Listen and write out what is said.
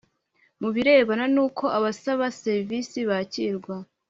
Mu birebana n uko abasaba serivisi bakirwa